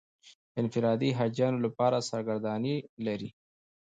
انفرادي حاجیانو لپاره سرګردانۍ لري.